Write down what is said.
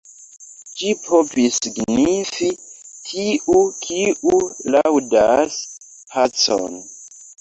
Ĝi povis signifi: "tiu, kiu laŭdas pacon".